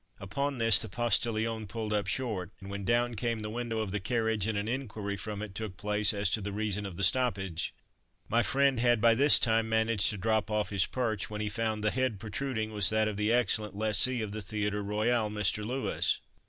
Upon this the postilion pulled up short, when down came the window of the carriage, and an inquiry from it took place as to the reason of the stoppage. My friend had by this time managed to drop off his perch, when he found the head protruding was that of the excellent lessee of the Theatre Royal, Mr. Lewis.